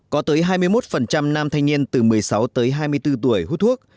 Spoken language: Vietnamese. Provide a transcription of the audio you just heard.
có tới hai mươi một nam thanh niên từ một mươi sáu tới hai mươi bốn tuổi hút thuốc